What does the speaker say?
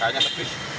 wah kayaknya sepi